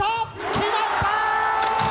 決まった！